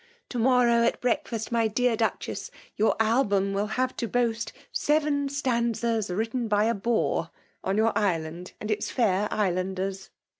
To morrow at breakfast, my dear Duchess, your album will have to boast ' seven stanzas written by a bore,' on your island and its fair islanders."